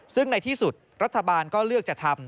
ซึ่งในที่สุดรัฐบาลก็เลือกจะทำ